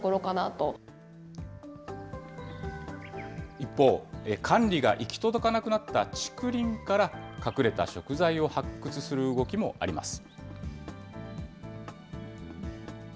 一方、管理が行き届かなくなった竹林から、隠れた食材を発掘する動きもあります。